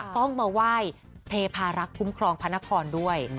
ต้องมาไหว้เทพารักษ์คุ้มครองพระนครด้วย